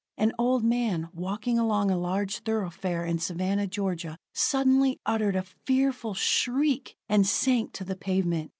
An old man, walking along a large thoroughfare in Savannah, Georgia, suddenly uttered a fearful shriek and sank to the pavement.